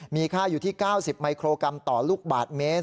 มีค่าอยู่ที่๙๐มิโครกรัมต่อลูกบาทเมตร